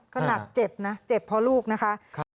ขนาดเจ็บนะเจ็บเพราะลูกนะคะ